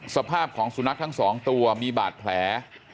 สภาพของสุนัขทั้งสองตัวมีบาดแผล